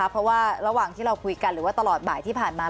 เพราะว่าระหว่างที่เราคุยกันหรือว่าตลอดบ่ายที่ผ่านมา